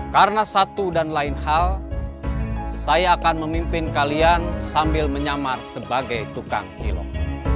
karena satu dan lain hal saya akan memimpin kalian sambil menyamar sebagai tukang cilok